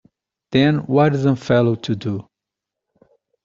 Then what's a fellow to do?